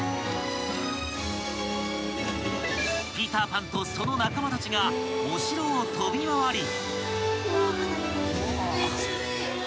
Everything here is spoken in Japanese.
［ピーター・パンとその仲間たちがお城を飛び回り］